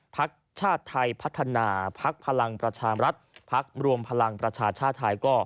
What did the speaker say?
ภักษ์ไทยพัฒาหนาพลังประชาภารกรรมชาติไทย